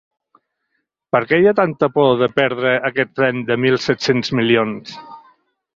Per què hi ha tanta por de perdre aquest tren de mil set-cents milions?